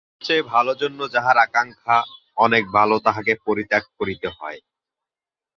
সবচেয়ে ভালো জন্য যাহার আকাঙক্ষা, অনেক ভালো তাহাকে পরিত্যাগ করিতে হয়।